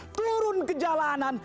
turun ke jalanan